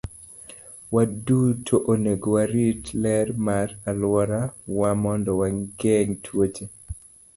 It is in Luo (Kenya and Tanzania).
Waduto onego warit ler mar alworawa mondo wageng' tuoche.